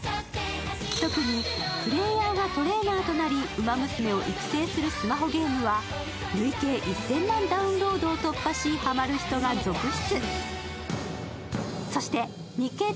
特にプレーヤーがトレーナーとなりウマ娘を育成するスマホゲームは累計１０００万ダウンロードを突破しハマる人が続出。